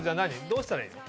どうしたらいいの？